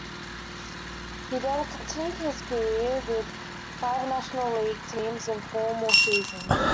He then continued his career with five National League teams in four more seasons.